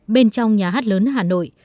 bên trong nhà hát lớn hà nội